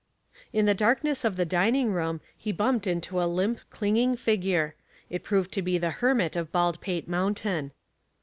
In the darkness of the dining room he bumped into a limp clinging figure. It proved to be the Hermit of Baldpate Mountain.